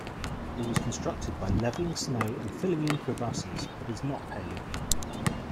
It was constructed by leveling snow and filling in crevasses, but is not paved.